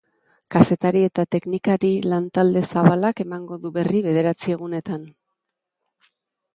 Kazetari eta teknikari lantalde zabalak emango du berri bederatzi egunetan.